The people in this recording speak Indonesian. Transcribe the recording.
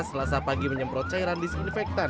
selasa pagi menyemprot cairan disinfektan